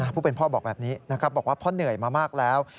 พูดเป็นพ่อบอกแบบนี้บอกว่าเพราะเหนื่อยมามากแล้ว